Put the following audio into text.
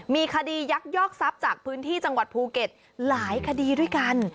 มีคดียักยอกทรัพย์จากพื้นที่จังหวัดภูเก็ตหลายคดีด้วยกัน